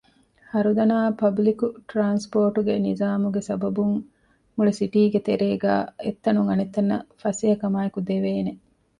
ހަރުދަނާ ޕަބްލިކު ޓްރާންސްޕޯޓުގެ ނިޒާމުގެ ސަބަބުން މުޅި ސިޓީގެ ތެރޭގައި އެއްތަނުން އަނެއްތަނަށް ފަސޭހަކަމާއެކު ދެވޭނެ